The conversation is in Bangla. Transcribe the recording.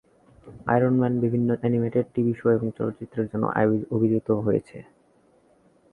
আয়রন ম্যান বিভিন্ন অ্যানিমেটেড টিভি শো এবং চলচ্চিত্র জন্য অভিযোজিত হয়েছে।